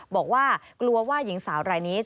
บอกว่ากลัวว่าหญิงสาวอันนี้แต่ว่า